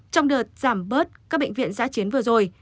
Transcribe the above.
trong đợt giảm bớt các bệnh viện giã chiến vừa rồi